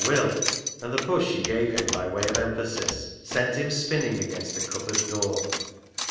Aw will !" And the push she gave him by way of emphasis sent him spinning against the cupboard door.